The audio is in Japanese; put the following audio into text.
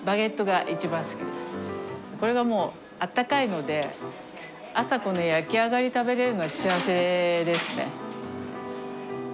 これがもうあったかいので朝この焼き上がり食べれるのは幸せですね。